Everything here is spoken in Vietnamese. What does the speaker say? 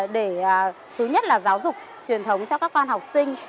để thứ nhất là giáo dục truyền thống cho các con học sinh